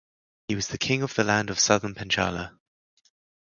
He was the king of the land of Southern Panchala.